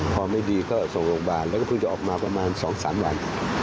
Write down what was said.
พอไม่ดีก็ส่งโรงพยาบาลแล้วก็เพิ่งจะออกมาประมาณ๒๓วัน